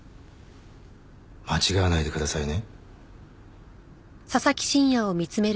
間違わないでくださいね。